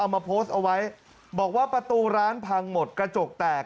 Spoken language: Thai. มาโพสต์เอาไว้บอกว่าประตูร้านพังหมดกระจกแตก